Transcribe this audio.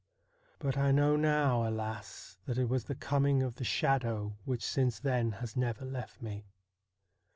But I know now, alas ! that it was the coming of the shadow which since then has never left me.